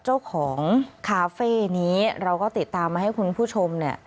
เจ้าของคาเฟ่นี้เราก็ติดตามมาให้คุณผู้ชมเนี่ย